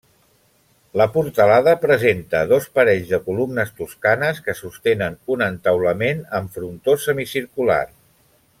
La portalada presenta dos parells de columnes toscanes que sostenen un entaulament amb frontó semicircular.